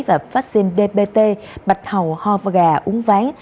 và vaccine dbt bạch hầu ho và gà uống ván